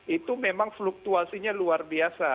itu memang fluktuasinya luar biasa